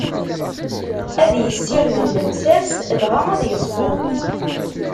Ad issired llebsa-s, dɣa ad iṣfu.